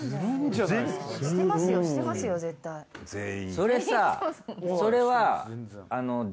それさそれは。